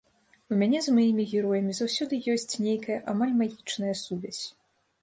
У мяне з маімі героямі заўсёды ёсць нейкая амаль магічная сувязь.